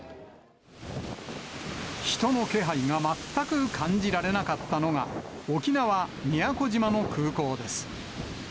人の気配が全く感じられなかったのが、沖縄・宮古島の空港です。